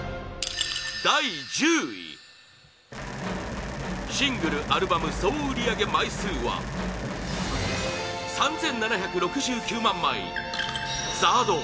第１０位シングル・アルバム総売り上げ枚数は３７６９万枚、ＺＡＲＤ